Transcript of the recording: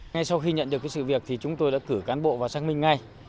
ngay sau khi nhận được cái sự việc thì chúng tôi đã cử cán bộ vào xác minh ngay